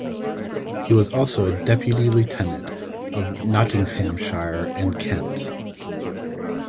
He was also a Deputy Lieutenant of Nottinghamshire and Kent.